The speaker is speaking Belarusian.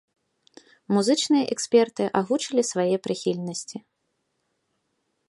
Музычныя эксперты агучылі свае прыхільнасці.